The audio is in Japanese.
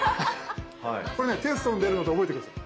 これねテストに出るので覚えて下さい。